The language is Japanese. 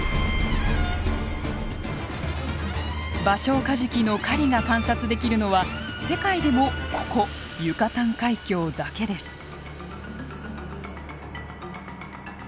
バショウカジキの狩りが観察できるのは世界でもここユカタン海峡だけです。